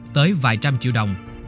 tới vài trăm triệu đồng